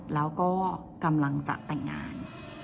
แล้วก็กำลังจะแต่งงาน